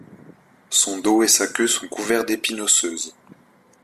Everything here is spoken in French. Son dos et sa queue sont couverts d'épines osseuses.